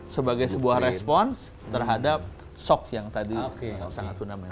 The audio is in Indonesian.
sebagai sebuah respons terhadap sok yang tadi sangat fundamental